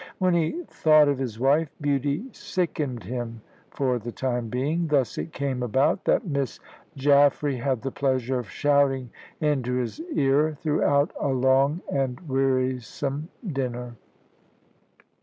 When he thought of his wife, beauty sickened him for the time being. Thus it came about that Miss Jaffray had the pleasure of shouting into his ear throughout a long and wearisome dinner.